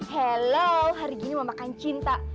halo hari gini mau makan cinta